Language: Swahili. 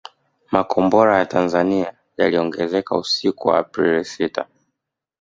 Makombora ya Tanzania yaliongezeka usiku wa Aprili sita